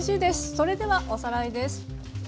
それではおさらいです。